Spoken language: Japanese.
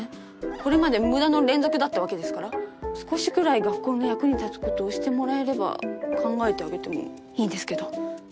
これまで無駄の連続だったわけですから少しくらい学校の役に立つことをしてもらえれば考えてあげてもいいですけど？